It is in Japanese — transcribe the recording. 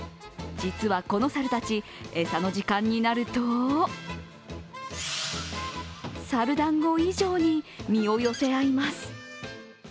実はこの猿たち、餌の時間になるとサル団子以上に身を寄せ合います。